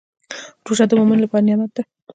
روژه د مؤمن لپاره نعمت دی.